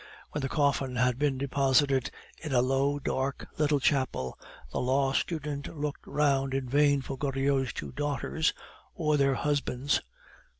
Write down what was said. When the coffin had been deposited in a low, dark, little chapel, the law student looked round in vain for Goriot's two daughters or their husbands.